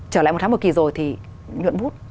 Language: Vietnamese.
trở lại một tháng một kỳ rồi thì nhuận bút